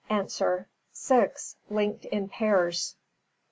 Six, linked in pairs.